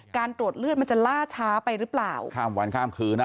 การตรวจเลือดมันจะล่าช้าไปหรือเปล่าข้ามวันข้ามคืนนะ